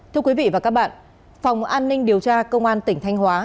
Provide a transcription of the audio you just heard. thưa quý vị và các bạn phòng an ninh điều tra công an tỉnh thanh hóa